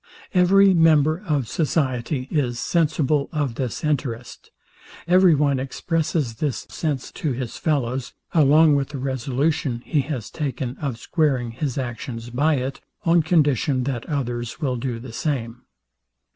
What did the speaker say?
Every member of society is sensible of this interest: Every one expresses this sense to his fellows, along with the resolution he has taken of squaring his actions by it, on condition that others will do the same.